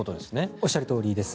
おっしゃるとおりです。